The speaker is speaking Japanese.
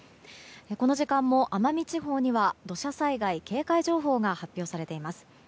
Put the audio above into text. この時間も奄美地方には土砂災害警戒情報が発表されています。